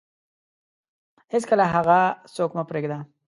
هیڅکله هغه څوک مه پرېږده